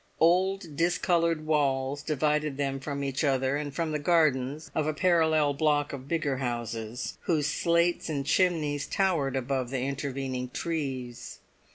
Old discoloured walls divided them from each other and from the gardens of a parallel block of bigger houses, whose slates and chimneys towered above the intervening trees.